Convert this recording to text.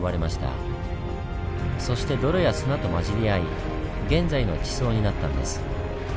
そして泥や砂と混じり合い現在の地層になったんです。